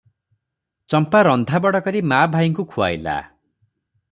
ଚମ୍ପା ରନ୍ଧାବଢ଼ା କରି ମା ଭାଇଙ୍କୁ ଖୁଆଇଲା ।